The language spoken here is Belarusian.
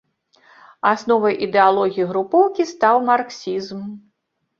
Асновай ідэалогіі групоўкі стаў марксізм.